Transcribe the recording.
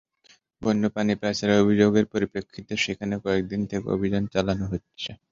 বন্য প্রাণী পাচারের অভিযোগের পরিপ্রেক্ষিতে সেখানে কয়েক দিন থেকে অভিযান চালানো হচ্ছে।